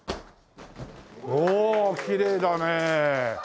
おおきれいだねえ。